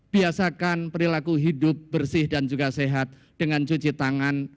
biasakan perilaku hidup bersih dan juga sehat dengan cuci tangan